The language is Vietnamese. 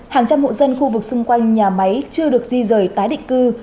hàng trăm hộ dân khu vực xung quanh nhà máy chưa được di rời tái định cư